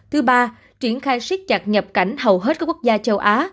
thứ ba triển khai siết chặt nhập cảnh hầu hết các quốc gia châu á